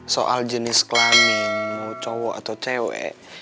soal jenis kelamin mau cowo atau cewek